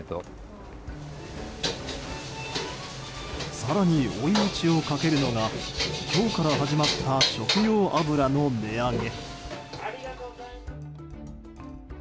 更に追い打ちをかけるのが今日から始まった食用油の値上げ。